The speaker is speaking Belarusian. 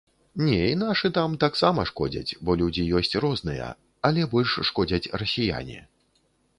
Не, і нашы там таксама шкодзяць, бо людзі ёсць розныя, але больш шкодзяць расіяне.